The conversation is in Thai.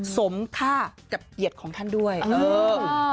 สมค่ากับเกียรติของท่านด้วยเออ